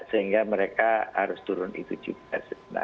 sehingga mereka harus turun itu juga